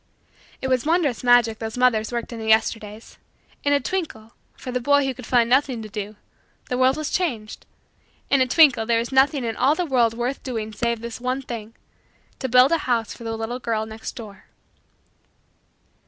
It was wondrous magic those mothers worked in the Yesterdays. In a twinkle, for the boy who could find nothing to do, the world was changed. In a twinkle, there was nothing in all the world worth doing save this one thing to build a house for the little girl next door.